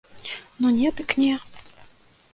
Ну, не, дык не.